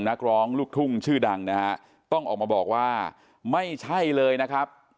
นักร้องลูกทุ่งชื่อดังนะฮะต้องออกมาบอกว่าไม่ใช่เลยนะครับ